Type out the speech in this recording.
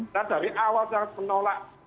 saya dari awal sangat menolak